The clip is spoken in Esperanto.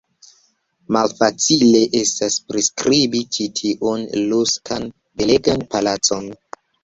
Malfacile estas priskribi ĉi tiun luksan, belegan palacon.